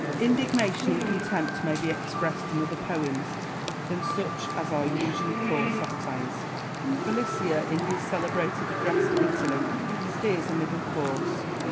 Indignation and contempt may be expressed in other poems than such as are usually called satires. Filicaia, in his celebrated address to Italy, steers a middle course.